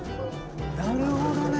なるほどね。